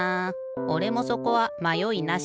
おれもそこはまよいなし。